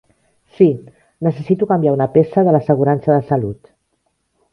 Sí, necessito canviar una peça de l'assegurança de salut.